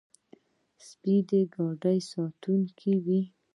سپي د ګاډي ساتونکي وي.